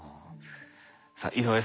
さあ井上さん